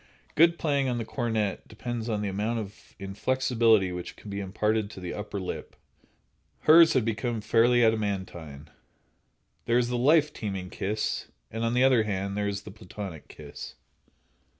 Good playing on the cornet depends upon the amount of inflexibility which can be imparted to the upper lip. Hers had become fairly adamantine." There is the "life teeming kiss," and, on the other hand, there is the Platonic kiss.